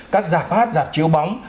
các giạc hát giạc chiếu bóng